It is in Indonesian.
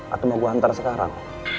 atau mau gua ntar sekarang